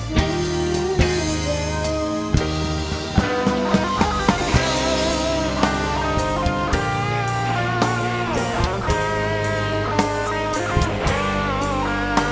อยู่เดียว